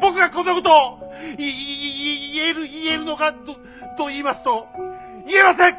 僕がこんなこといい言える言えるのかといいますと言えません！